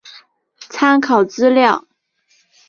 参考资料